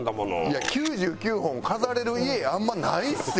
いや９９本飾れる家あんまないっすよ。